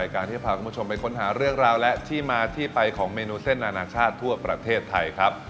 การที่พาคุณผู้ชมไปค้นหาเรื่องราวและที่มาที่ไปของเมนูเส้นอนาชาติทั่วประเทศไทยครับ